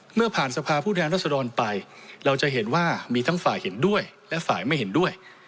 เมื่อผ่านสภาผู้แทนรัศดรไปเราจะเห็นว่ามีทั้งฝ่ายเห็นด้วยและฝ่ายไม่เห็นด้วย